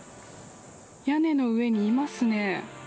屋根の上にいますね。